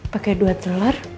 pake dua telur